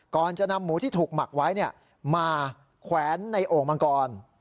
ก่อนจะนำหมูที่ถูกหมักไว้มาแขวนในโอ่งมังกร